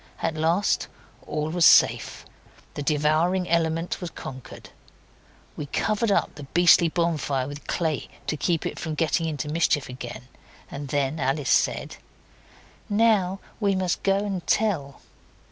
At last all was safe; the devouring element was conquered. We covered up the beastly bonfire with clay to keep it from getting into mischief again, and then Alice said 'Now we must go and tell.